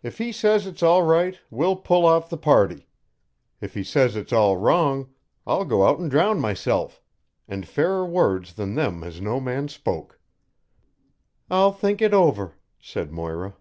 If he says it's all right we'll pull off the party. If he says it's all wrong, I'll go out and drown myself and fairer words than them has no man spoke." "I'll think it over," said Moira.